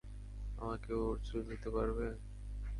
আমাকে ওর চুল দিতে পারবে?